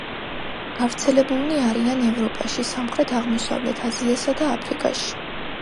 გავრცელებულნი არიან ევროპაში, სამხრეთ-აღმოსავლეთ აზიასა და აფრიკაში.